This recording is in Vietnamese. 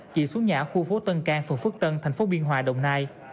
chị xuống nhà ở khu phố tân cang phường phước tân tp biên hòa đồng nai